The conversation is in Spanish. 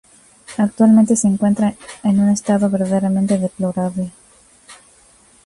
Actualmente se encuentra en un estado verdaderamente deplorable.